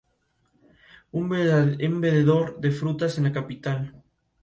Tras la proclamación de la Primera República se asentó en Francia.